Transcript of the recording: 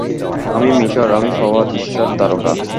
আমিই মিশর, আমি প্রভাত-ঊষার তারকা।